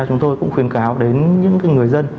chúng tôi cũng khuyên cáo đến những người dân